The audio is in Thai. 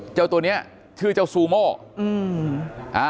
เจ้าตัวนี้ชื่อเจ้าซูโม่อืม